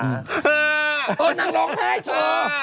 เออนางหลงไทยเถอะ